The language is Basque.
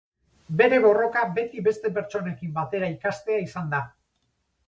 Bere borroka beti beste pertsonekin batera ikastea izan da.